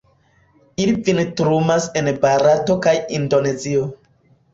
Ili vintrumas en Barato kaj Indonezio.